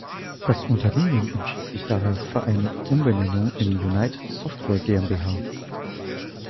Das Unternehmen entschied sich daher für eine Umbenennung in "United Software GmbH".